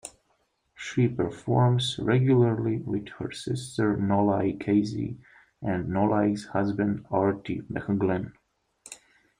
She performs regularly with her sister Nollaig Casey and Nollaig's husband Arty McGlynn.